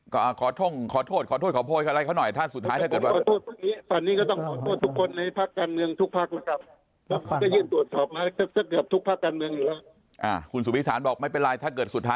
ไม่ต้องไปขอโทษขอโทษขอโพยเขาหน่อยถ้าสุดท้ายถ้าเกิดว่า